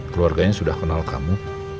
keluarganya sudah kenal kamu